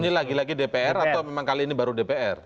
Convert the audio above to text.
ini lagi lagi dpr atau memang kali ini baru dpr